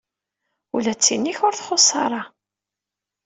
Ula d tin-ik ur txuṣṣ ara.